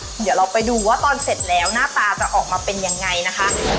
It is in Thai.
เดี๋ยวเราไปดูว่าตอนเสร็จแล้วหน้าตาจะออกมาเป็นยังไงนะคะ